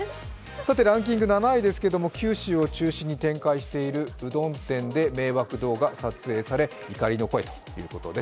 ランキング７位ですが九州を中心に展開しているうどん店で迷惑動画撮影され怒りの声ということです。